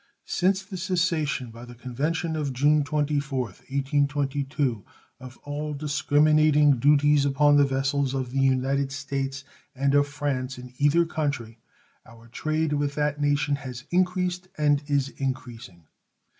Since the cessation by the convention of June 24th, 1822, of all discriminating duties upon the vessels of the United States and of France in either country our trade with that nation has increased and is increasing.